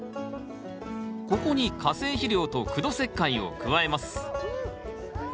ここに化成肥料と苦土石灰を加えます。